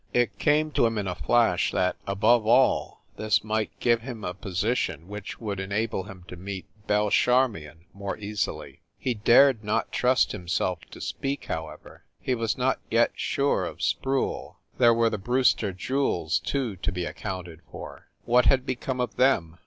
It came to him in a flash that, above all, this might give him a position which would enable him to meet Belle Charmion more easily. He dared not trust himself to speak, how ever; he was not yet sure of Sproule. There were the Brewster jewels, too, to be accounted for. What had become of them?